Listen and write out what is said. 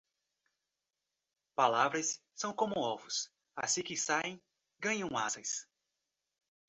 Palavras são como ovos: assim que saem, ganham asas.